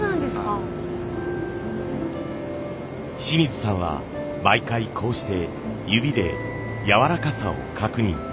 清水さんは毎回こうして指でやわらかさを確認。